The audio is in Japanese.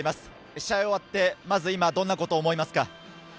試合が終わってどんなことを思いますか？